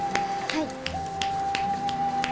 はい。